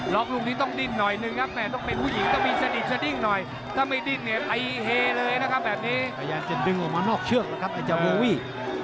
แรงที่ต้องแรงให้ต่อเรื่องเลยนะครับโบวี่